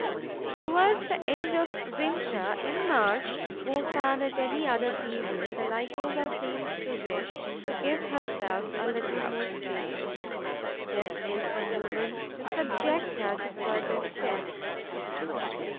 Towards the end of winter, in March more than at any other period, the Lycosa seems to wish to give herself a little more space. This is the moment to subject her to certain tests.